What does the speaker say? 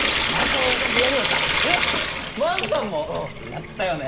やったよね。